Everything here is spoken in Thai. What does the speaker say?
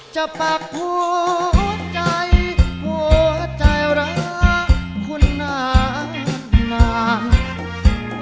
จากปากหัวใจหัวใจรักคุณนาน